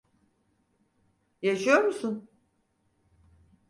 Yaşıyor musun?